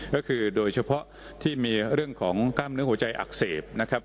ก็คือโดยเฉพาะที่มีเรื่องของกล้ามเนื้อหัวใจอักเสบนะครับ